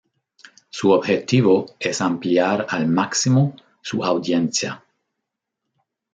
Su objetivo es ampliar al máximo su audiencia.